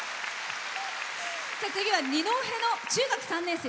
次は、二戸の中学３年生。